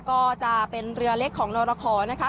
ก็จะเป็นเรือเล็กของนรขอนะคะ